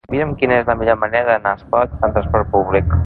Mira'm quina és la millor manera d'anar a Espot amb trasport públic.